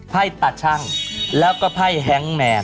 ตาชั่งแล้วก็ไพ่แฮงแมน